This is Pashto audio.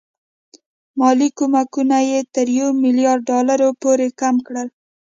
مالي کومکونه یې تر یو میلیارډ ډالرو پورې کم کړل.